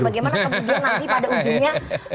bagaimana kemudian nanti pada ujungnya